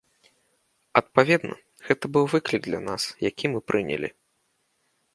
Адпаведна, гэта быў выклік для нас, які мы прынялі.